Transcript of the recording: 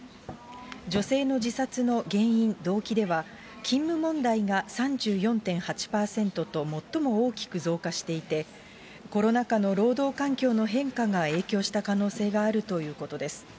女性の自殺の原因、動機では、勤務問題が３４．８％と最も大きく増加していて、コロナ禍の労働環境の変化が影響した可能性があるということです。